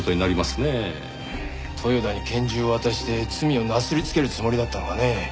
豊田に拳銃を渡して罪をなすりつけるつもりだったのかねえ。